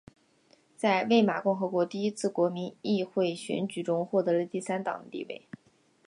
在魏玛共和国第一次国民议会选举中获得了第三党的地位。